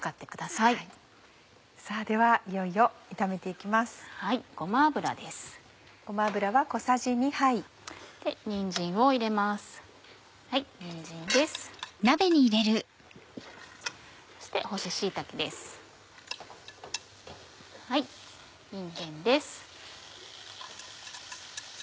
いんげんです。